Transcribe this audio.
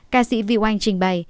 ca sĩ vịu anh trình bày